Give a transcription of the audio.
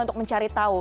untuk mencari tahu